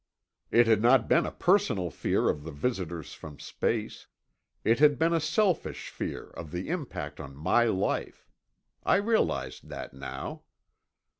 It had not been a personal fear of the visitors from space. It had been a selfish fear of the impact on my life. I realized that now.